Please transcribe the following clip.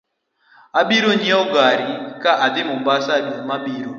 Abiro nyieo gari ka adhi mombasa dwe ma biro